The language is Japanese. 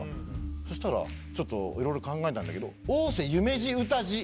そしたら「ちょっといろいろ考えたんだけど」。